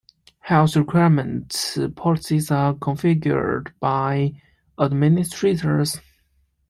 Health requirement policies are configured by administrators.